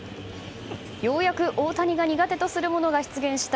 ようやく大谷が苦手とするものが出現した。